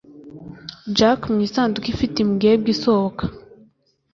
jack mu isanduku ifite imbwebwe isohoka